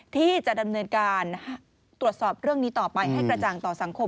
ที่จะดำเนินการตรวจสอบเรื่องนี้ต่อไปให้กระจ่างต่อสังคม